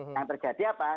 yang terjadi apa